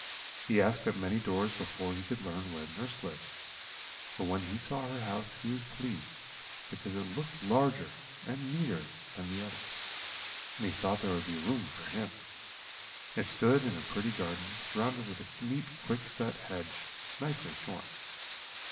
He asked at many doors before he could learn where nurse lived; but when he saw her house he was pleased, because it looked larger and neater than the others, and he thought there would be room for him. It stood in a pretty garden, surrounded with a neat quickset hedge, nicely shorn.